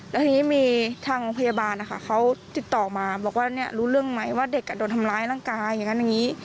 แล้วทีนี้มีทางพยาบาลนะคะเขาติดต่อมาบอกว่ารู้เรื่องไหมว่าเด็กโดนทำร้ายร่างกายอย่างนั้นอย่างนี้